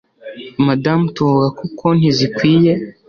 Madamu tuvuga ko konti zikwiye